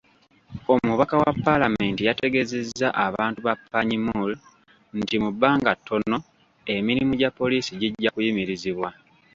Omubaka wa paalamenti yategeeza abantu ba Panyimur nti mu bbanga ttono, emirimu gya poliisi gijja kuyimirizibwa.